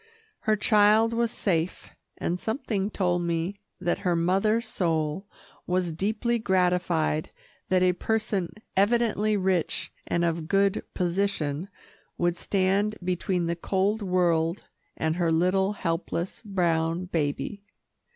Her child was safe, and something told me that her mother soul was deeply gratified that a person evidently rich and of good position would stand between the cold world and her little, helpless, brown baby.